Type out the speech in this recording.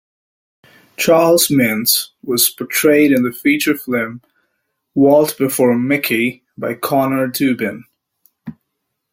Charles Mintz was portrayed in the feature film "Walt Before Mickey" by Conor Dubin.